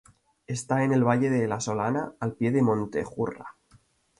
Está en el valle de la Solana, al pie de Montejurra.